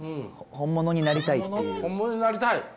本物になりたい？